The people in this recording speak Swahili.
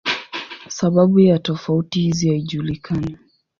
Sababu ya tofauti hizi haijulikani.